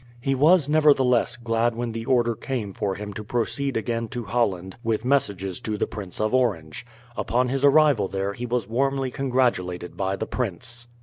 He was, nevertheless, glad when the order came for him to proceed again to Holland with messages to the Prince of Orange. Upon his arrival there he was warmly congratulated by the prince.